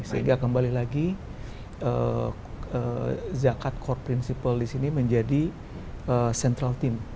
sehingga kembali lagi zakat core principle di sini menjadi central team